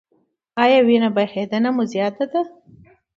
ایا وینې بهیدنه مو زیاته ده؟